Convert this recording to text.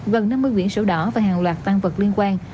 gần năm mươi quyển sổ đỏ và hàng loạt tăng vật liên quan